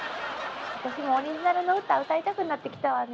私もオリジナルの歌歌いたくなってきたわね。